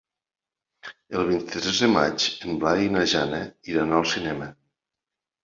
El vint-i-tres de maig en Blai i na Jana iran al cinema.